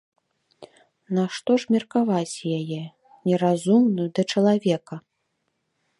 Нашто ж меркаваць яе, неразумную, да чалавека?